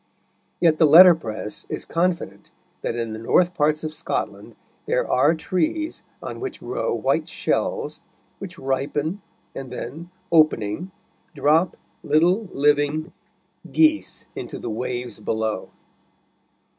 Yet the letterpress is confident that in the north parts of Scotland there are trees on which grow white shells, which ripen, and then, opening, drop little living geese into the waves below.